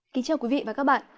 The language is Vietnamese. xin chào quý vị và các bạn